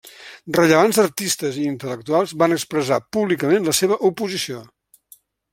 Rellevants artistes i intel·lectuals van expressar públicament la seva oposició.